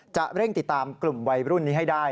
จะเร่งติดตามกลุ่มวัยรุ่นนี้ให้ได้